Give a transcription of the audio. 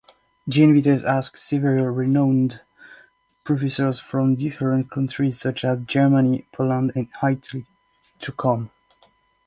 Jean Vitéz asked several renowned professors from different countries such as Germany, Poland, and Italy to come.